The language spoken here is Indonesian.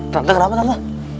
tante kenapa tante